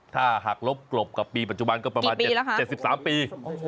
ถ้าหากลบกลบกับปีปัจจุบันก็ประมาณ๗๓ปี